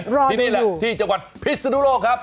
ที่นี่แหละที่จังหวัดพิศนุโลกครับ